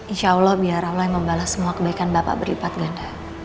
insya allah biar allah yang membalas semua kebaikan bapak berlipat ganda